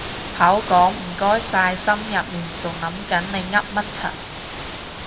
口講唔該晒心入面係諗緊你噏乜柒